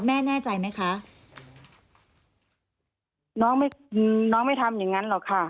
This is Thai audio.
แน่ใจไหมคะน้องไม่น้องไม่ทำอย่างงั้นหรอกค่ะ